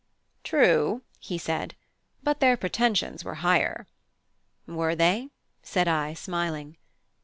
"True," he said, "but their pretensions were higher." "Were they?" said I, smiling.